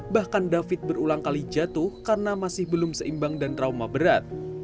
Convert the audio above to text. bahkan david berulang kali jatuh karena masih belum seimbang dan trauma berat